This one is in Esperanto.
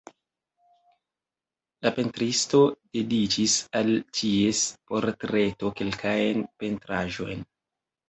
La pentristo dediĉis al ties portreto kelkajn pentraĵojn.